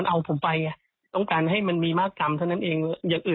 เพราะถ้านักการณ์ทำไมตอนนั้นไม่ช่วยผมอ่ะผมก็ยังงงงงอยู่